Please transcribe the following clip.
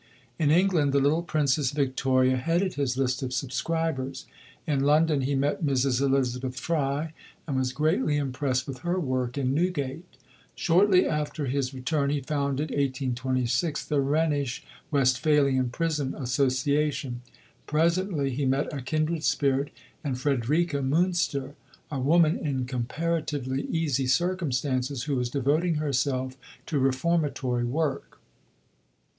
In England, the little Princess Victoria headed his list of subscribers. In London he met Mrs. Elizabeth Fry and was greatly impressed with her work in Newgate. Shortly after his return he founded (1826) the Rhenish Westphalian Prison Association. Presently he met a kindred spirit in Friederike Münster, a woman in comparatively easy circumstances who was devoting herself to reformatory work.